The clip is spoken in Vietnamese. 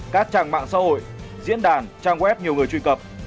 các trang mạng xã hội diễn đàn trang web nhiều người truy cập